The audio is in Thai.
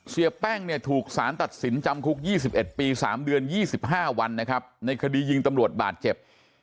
เสียแป้งเนี่ยถูกสารตัดสินจำคุก๒๑ปี๓เดือน๒๕วันนะครับในคดียิงตำรวจบาดเจ็บ